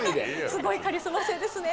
すごいカリスマ性ですね。